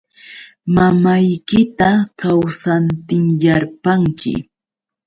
Mamaykita kawsaptinyarpanki.